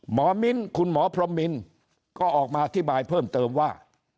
มิ้นคุณหมอพรมมินก็ออกมาอธิบายเพิ่มเติมว่า